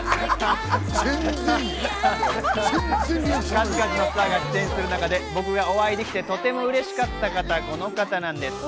数々のスターが出演する中で、僕がお会いできて、とてもうれしかった方、この方なんです。